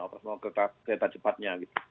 operasional ke kreta cepatnya gitu